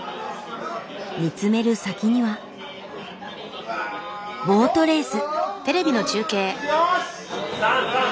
見つめる先にはボートレース。